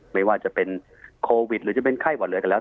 ไม่ว่าจะเป็นโควิดหรือจะเป็นไข้หวัดเหลือก็แล้ว